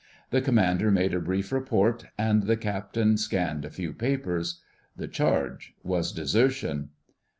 The Commander made a brief report, and the Captain scanned a few papers. The charge was desertion.